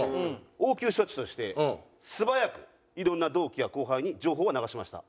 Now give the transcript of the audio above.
応急処置として素早くいろんな同期や後輩に情報は流しました。